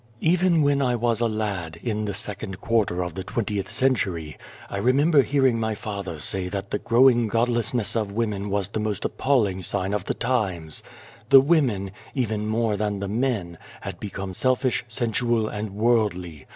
"Even when I was a lad, in the second quarter of the twentieth century, I remember hearing my father say that the growing godless ness of women was the most appalling sign of the times. The women, even more than the men, had become selfish, sensual, and worldly.